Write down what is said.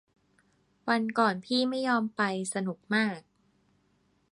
วันก่อนพี่ไม่ยอมไป สนุกมาก